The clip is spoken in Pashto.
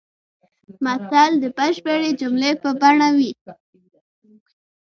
متل د بشپړې جملې په بڼه وي